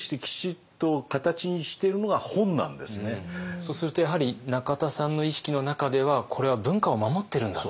そうするとやはり中田さんの意識の中ではこれは文化を守ってるんだと。